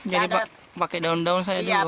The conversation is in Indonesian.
jadi pakai daun daun saja dulu